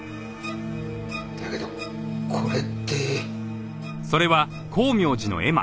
だけどこれって。